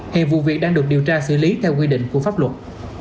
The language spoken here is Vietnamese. hiện vụ việc đang được điều tra xử lý theo quy định của pháp luật